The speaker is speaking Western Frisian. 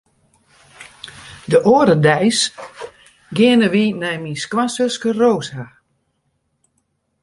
De oare deis geane wy nei myn skoansuske Rosa.